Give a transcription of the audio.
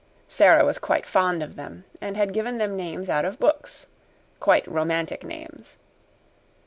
Sara was quite fond of them, and had given them names out of books quite romantic names.